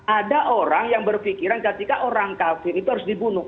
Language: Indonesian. ada orang yang berpikiran ketika orang kafir itu harus dibunuh